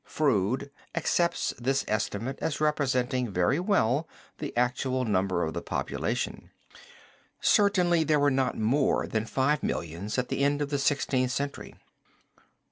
Froude, accepts this estimate as representing very well the actual number of the population. Certainly there were not more than five millions at the end of the Sixteenth Century.